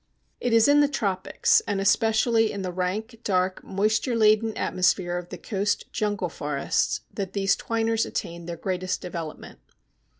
It is in the tropics, and especially in the rank, dark, moisture laden atmosphere of the coast jungle forests, that these twiners attain their greatest development.